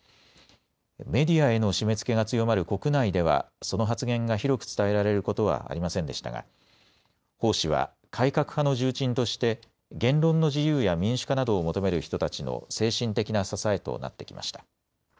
メディアへの締めつけが強まる国内ではその発言が広く伝えられることはありませんでしたが鮑氏は改革派の重鎮として言論の自由や民主化などを求める人たちの精神的な支えとなってきました。